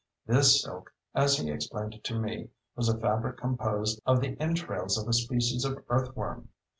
This silk, as he explained it to me, was a fabric composed of the entrails of a species of earth worm.